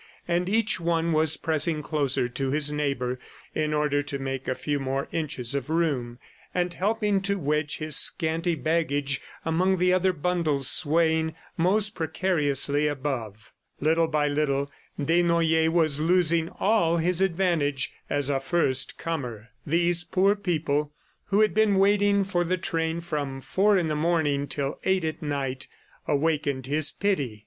And each one was pressing closer to his neighbor in order to make a few more inches of room, and helping to wedge his scanty baggage among the other bundles swaying most precariously above. Little by little, Desnoyers was losing all his advantage as a first comer. These poor people who had been waiting for the train from four in the morning till eight at night, awakened his pity.